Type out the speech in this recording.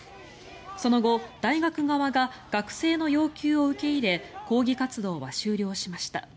その後、大学側が学生の要求を受け入れ抗議活動は終了しました。